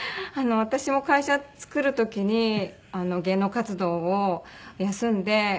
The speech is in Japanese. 私も会社作る時に芸能活動を休んで。